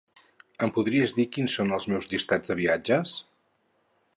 Em podries dir quins són els meus llistats de viatges?